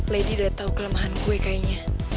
lady udah tahu kelemahan gue kayaknya